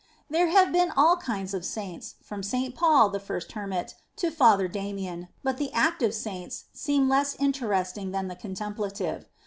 There have been all kinds of Saints, from St. Paul, the first hermit, to Father Damian, but the " active " Saints seem less interesting than the " contemplative."